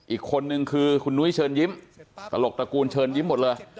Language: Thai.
อีกคนนึงคือคุณนุ้ยเชิญยิ้มตลกตระกูลเชิญยิ้มหมดเลย